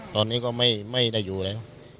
ตอนนี้ก็ไม่ได้อยู่แล้ว